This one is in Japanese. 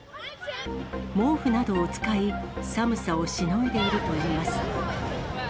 毛布などを使い、寒さをしのいでいるといいます。